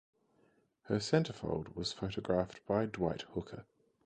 Her centerfold was photographed by Dwight Hooker.